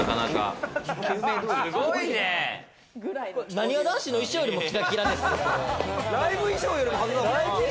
なにわ男子の衣装よりもキラキラです、これ。